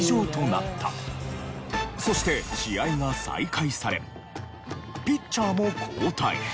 そして試合が再開されピッチャーも交代。